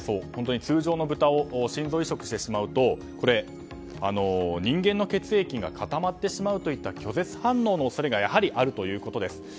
通常の豚を心臓移植してしまうと人間の血液が固まってしまうといった拒絶反応の恐れがやはりあるということです。